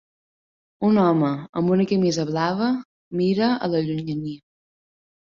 Un home amb una camisa blava mira a la llunyania.